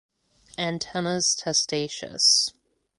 Antennas testaceous.